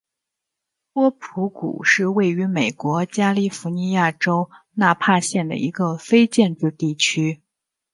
波普谷是位于美国加利福尼亚州纳帕县的一个非建制地区。